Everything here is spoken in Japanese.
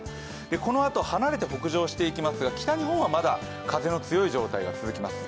このあと、離れて北上していきますが北日本はまだ風が強い状態が続きます。